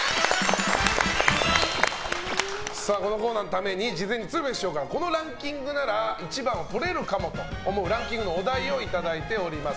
このコーナーのために事前に鶴瓶師匠からこのランキングなら１番をとれるかもと思うランキングのお題をいただいています。